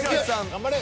頑張れ。